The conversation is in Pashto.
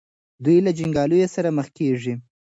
دوی له جنګیالیو سره مخ کیږي.